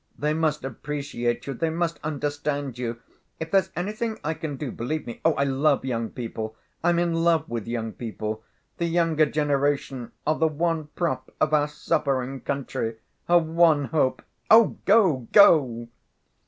They must appreciate you, they must understand you. If there's anything I can do, believe me ... oh, I love young people! I'm in love with young people! The younger generation are the one prop of our suffering country. Her one hope.... Oh, go, go!..."